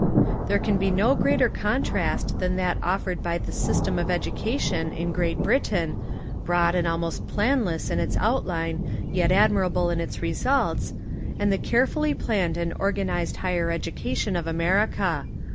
There can be no greater contrast than that offered by the system of education in Great Britain, broad and almost planless in its out 74 Literature and Education in America line, yet admirable In Its results and the care fully planned and organised higher education of America.